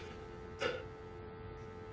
えっ？